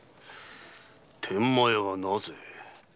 天満屋はなぜ？